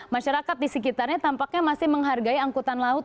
masyarakat di sekitarnya tampaknya masih menghargai angkutan laut